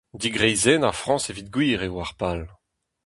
Digreizennañ Frañs evit gwir eo ar pal.